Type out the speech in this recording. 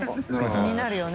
気になるよね